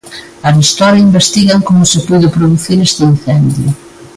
Arestora investigan como se puido producir este incendio.